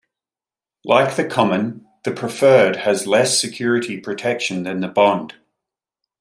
Like the common, the preferred has less security protection than the bond.